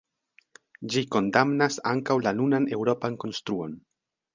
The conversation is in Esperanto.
Ĝi kondamnas ankaŭ la nunan eŭropan konstruon.